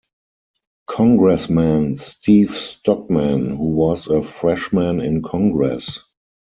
Congressman Steve Stockman, who was a Freshman in congress.